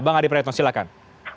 bang adi praetno silahkan